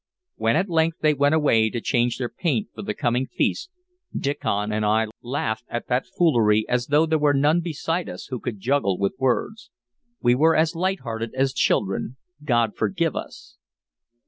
When at length they went away to change their paint for the coming feast Diccon and I laughed at that foolery as though there were none beside us who could juggle with words. We were as light hearted as children God forgive us!